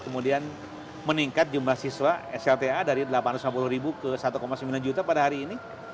kemudian meningkat jumlah siswa slta dari delapan ratus lima puluh ribu ke satu sembilan juta pada hari ini